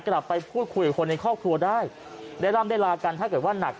กลับไปพูดคุยกับคนในครอบครัวได้ได้ร่ำได้ลากันถ้าเกิดว่าหนัก